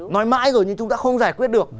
nói mãi rồi nhưng chúng ta không giải quyết được